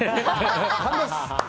勘です。